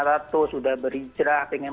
tatu sudah berhijrah pengen